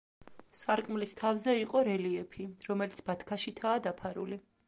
სარკმლის თავზე იყო რელიეფი, რომელიც ბათქაშითაა დაფარული.